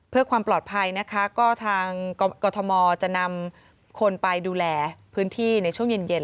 เพื่อความปลอดภัยนะคะก็ทางกรทมจะนำคนไปดูแลพื้นที่ในช่วงเย็นเย็น